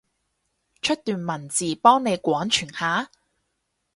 出段文字，幫你廣傳下？